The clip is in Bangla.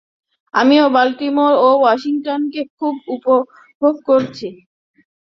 আমিও বাল্টিমোর ও ওয়াশিংটনকে খুব উপভোগ করছি।